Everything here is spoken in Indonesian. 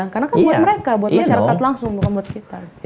karena kan buat mereka buat masyarakat langsung bukan buat kita